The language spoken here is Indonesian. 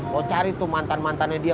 mau cari tuh mantan mantannya dia